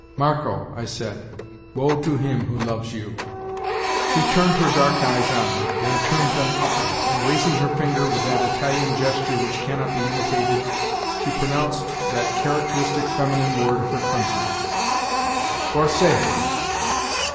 "Marco," I said, "woe to him who loves you." She turned her dark eyes on me, then turned them upward, and raising her finger with that Italian gesture which can not be imitated, she pronounced that characteristic feminine word of her country: "Forse!"